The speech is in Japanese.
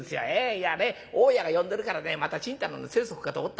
いやね大家が呼んでるからねまたチンタナの催促かと思った。